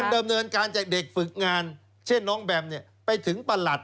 เดิมเนินการจากเด็กฝึกงานเช่นน้องแบมเนี่ยไปถึงประหลัด